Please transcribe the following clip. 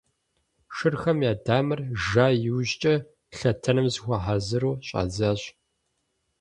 Шырхэм я дамэр жа иужькӀэ, лъэтэным зыхуагъэхьэзыру щӀадзащ.